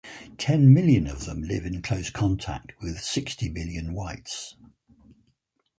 Ten million of them live in close contact with sixty million whites.